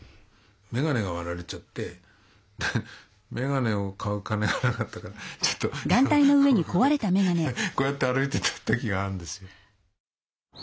眼鏡が割られちゃって眼鏡を買う金がなかったからこうやって歩いてた時があるんですよ。